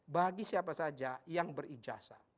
bagi siapa saja yang berijasa